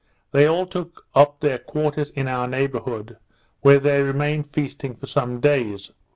They all took up their quarters in our neighbourhood, where they remained feasting for some days.